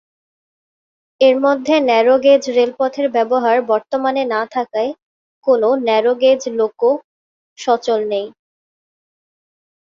এর মধ্যে ন্যারো-গেজ রেলপথের ব্যবহার বর্তমানে না থাকায় কোনো ন্যারো-গেজ লোকো সচল নেই।